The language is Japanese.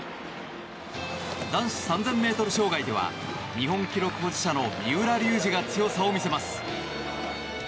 男子３０００ｍ障害では日本記録保持者の三浦龍司が強さを見せます。